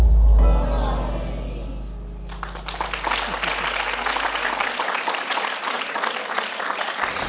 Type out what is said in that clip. ผิดนะครับ